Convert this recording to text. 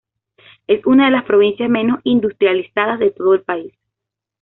Es una de las provincias menos industrializadas de todo el país.